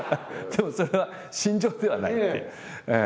でもそれは信条ではないっていう。